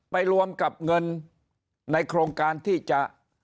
ไปรวมกับเงินในโครงการที่จะ